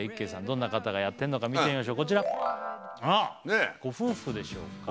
どんな方がやってるのか見てみましょうこちらご夫婦でしょうか？